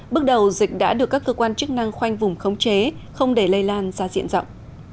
bước đầu dịch đã được các cơ quan chức năng khoanh vùng khống chế không để lây lan ra diện rộng